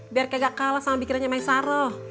biar kagak kalah sama pikirannya maisaro